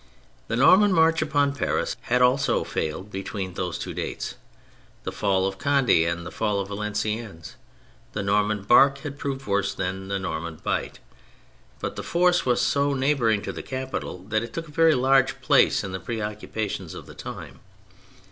The Norman march upon Paris had also failed between those two dates, the fall of Conde and the fall of Valenciennes^ The Norman bark had proved worse than the Norman bite; but the force was so neigh bouring to the capital that it took a very large place in the preoccupations of the time.